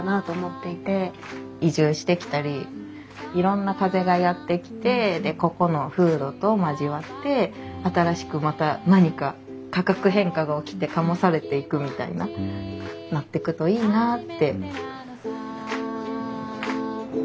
移住してきたりいろんな風がやって来てでここの風土と交わって新しくまた何か化学変化が起きて醸されていくみたいななってくといいなあって。